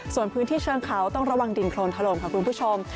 ส่วนพื้นที่เชิงเขาต้องระวังดินโครนถล่มค่ะคุณผู้ชม